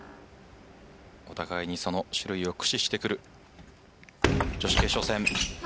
お互いにその種類を駆使してくる女子決勝戦。